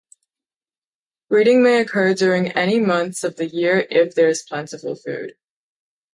Breeding may occur during any months of the year if there is plentiful food.